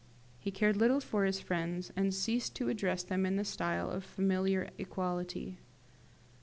He cared little for his friends, and ceased to address them in the style of familiar equality.